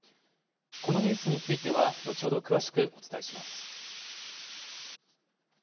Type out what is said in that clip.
このニュースについては後ほど詳しくお伝えします。